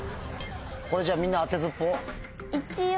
これじゃあみんな当てずっぽう？